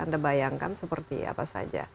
anda bayangkan seperti apa saja